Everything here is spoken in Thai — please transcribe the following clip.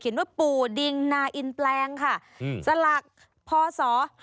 เขียนว่าปู่ดิงนาอินแปลงสลักพศ๕๓